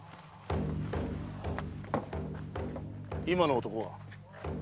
今の男は？